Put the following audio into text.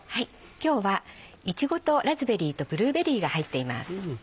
今日はイチゴとラズベリーとブルーベリーが入っています。